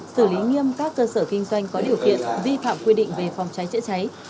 xử lý nghiêm các cơ sở kinh doanh có điều kiện vi phạm quy định về phòng cháy chữa cháy